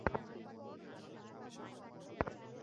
এটারও লোন মেটানো এখনো বাকি।